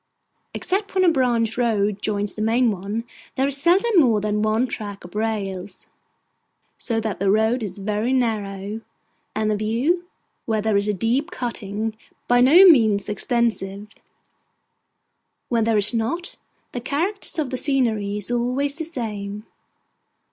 Except when a branch road joins the main one, there is seldom more than one track of rails; so that the road is very narrow, and the view, where there is a deep cutting, by no means extensive. When there is not, the character of the scenery is always the same.